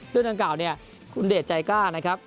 เรื่องดังกล่าวเนี่ยคุณเดชใจกล้านะครับ